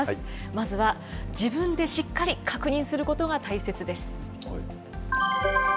まずは自分でしっかり確認することが大切です。